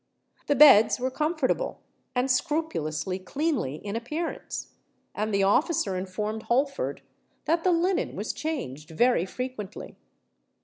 The beds were comfortable and scrupulously cleanly in appearance; and the officer informed Holford that the linen was changed very frequently.